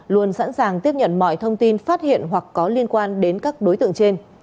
luôn sẵn sàng tiếp nhận mọi thông tin phát hiện hoặc có liên quan đến các đối tượng trên